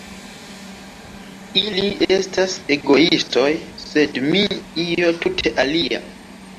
Ili estas egoistoj, sed mi -- io tute alia!